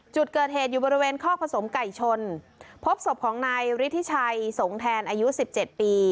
จุดเกิดเหตุอยู่บริเวณคอกผสมไก่ชนพบศพของนายฤทธิชัยสงแทนอายุสิบเจ็ดปี